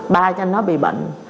ba chàng nó bị bệnh